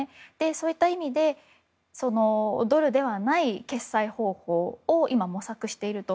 そういった意味でドルではない決済方法を今、模索していると。